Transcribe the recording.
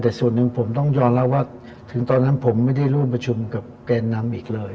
แต่ส่วนหนึ่งผมต้องยอมรับว่าถึงตอนนั้นผมไม่ได้ร่วมประชุมกับแกนนำอีกเลย